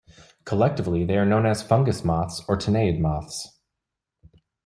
Collectively, they are known as fungus moths or tineid moths.